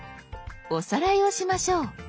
おさらいをしましょう。